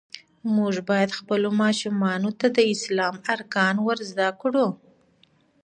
مونږ باید خپلو ماشومانو ته د اسلام ارکان ور زده کړو.